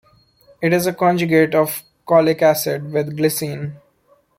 It is a conjugate of cholic acid with glycine.